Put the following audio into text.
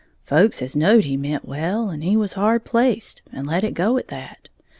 Folks has knowed he meant well, and was hard placed, and let it go at that.